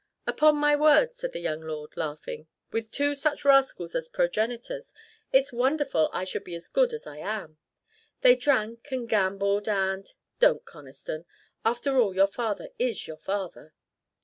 Upon my word," said the young lord, laughing, "with two such rascals as progenitors, it's wonderful I should be as good as I am. They drank and gambled and " "Don't, Conniston. After all your father is your father."